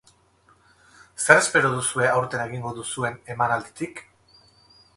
Zer espero duzue aurten egingo duzuen emanalditik?